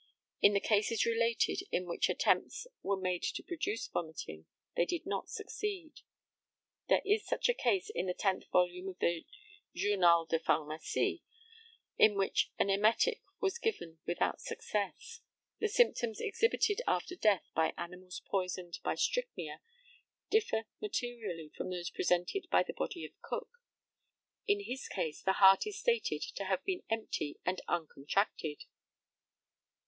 In the cases related in which attempts were made to produce vomiting they did not succeed. There is such a case in the 10th volume of the Journal de Pharmacie, in which an emetic was given without success. The symptoms exhibited after death by animals poisoned by strychnia differ materially from those presented by the body of Cook. In his case the heart is stated to have been empty and uncontracted.